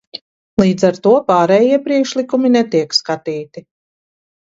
Līdz ar to pārējie priekšlikumi netiek skatīti.